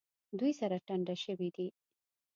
دوی سره ټنډه شوي دي.